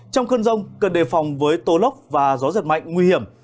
trong cơn rông cần đề phòng với tô lốc và gió giật mạnh nguy hiểm